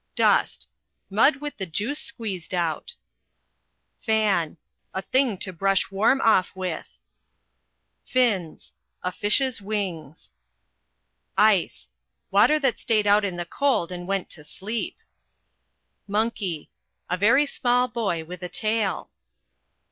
Dust Mud with the juice squeezed out. Fan A thing to brush warm off with. Fins A fish's wings. Ice Water that staid out in the cold and went to sleep. Monkey A very small boy with a tail.